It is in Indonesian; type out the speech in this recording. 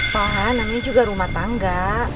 paha namanya juga rumah tangga